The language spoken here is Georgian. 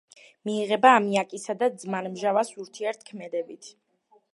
მიიღება ამიაკისა და ძმარმჟავას ურთიერთქმედებით.